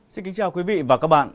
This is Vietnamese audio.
xin kính chào quý vị và các bạn